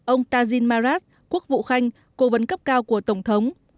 ông tajin maras quốc vụ khanh cố vấn cấp cao của tổng thống